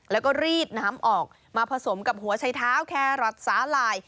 แล้วก็รีดน้ำออกมาผสมกับหัวชัยเท้าแครอทสาหร่าย